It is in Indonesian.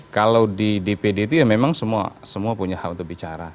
kalau di dpd itu ya memang semua punya hak untuk bicara